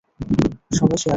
সবাই শেয়ার করে।